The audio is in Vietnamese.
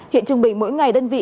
hiện trung bình mỗi ngày đơn vị